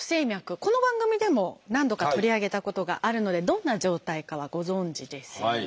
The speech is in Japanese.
この番組でも何度か取り上げたことがあるのでどんな状態かはご存じですよね？